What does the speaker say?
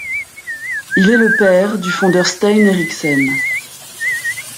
Il est le père du fondeur Stein Eriksen.